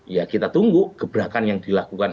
ya kita tunggu gebrakan yang dilakukan